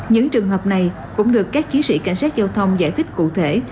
những trường hợp này cũng được các chiến sĩ cảnh sát giao thông giải thích cụ thể